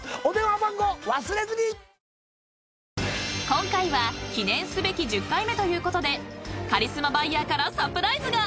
［今回は記念すべき１０回目ということでカリスマバイヤーからサプライズが！］